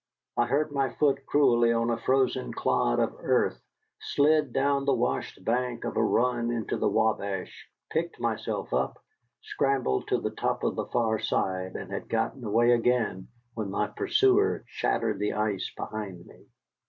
I hurt my foot cruelly on a frozen clod of earth, slid down the washed bank of a run into the Wabash, picked myself up, scrambled to the top of the far side, and had gotten away again when my pursuer shattered the ice behind me.